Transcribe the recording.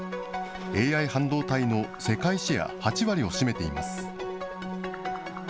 ＡＩ半導体の世界シェア８割を占めています。